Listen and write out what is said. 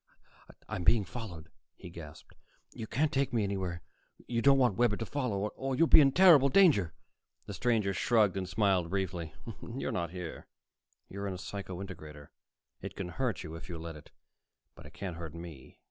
"I'm being followed," he gasped. "You can't take me anywhere you don't want Webber to follow, or you'll be in terrible danger." The stranger shrugged and smiled briefly. "You're not here. You're in a psycho integrator. It can hurt you, if you let it. But it can't hurt me."